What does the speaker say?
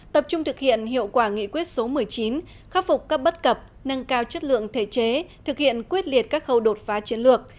tập trung thực hiện hiệu quả nghị quyết số một mươi chín khắc phục các bất cập nâng cao chất lượng thể chế thực hiện quyết liệt các khâu đột phá chiến lược